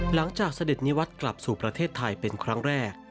เสด็จนิวัตรกลับสู่ประเทศไทยเป็นครั้งแรก